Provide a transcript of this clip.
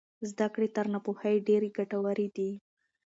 زده کړې تر ناپوهۍ ډېرې ګټورې دي.